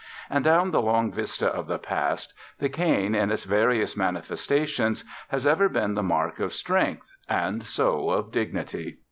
And, down the long vista of the past, the cane, in its various manifestations, has ever been the mark of strength, and so of dignity.